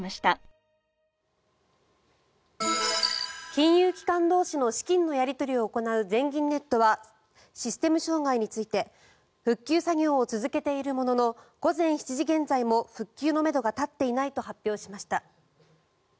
金融機関同士の資金のやり取りを行う全銀ネットはシステム障害について復旧作業を続けているものの午前７時現在も復旧のめどが立っていないと発表しました。